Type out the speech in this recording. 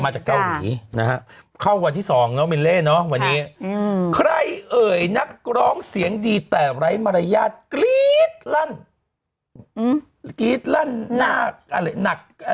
มรยาติกรี๊ดลั่นอืมกรี๊ดลั่นหน้าอะไรหนักอะไรเนี่ยหนีกับนี่กับนั่น